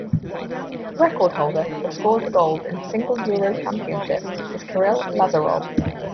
The record-holder for scored goals in a single Euro Championship is Kiril Lazarov.